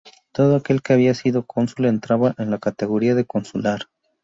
Todo aquel que había sido cónsul entraba en la categoría de consular.